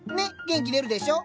元気出るでしょ？